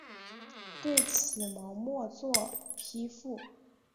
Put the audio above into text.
对此毛未作批复。